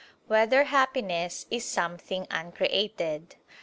1] Whether Happiness Is Something Uncreated?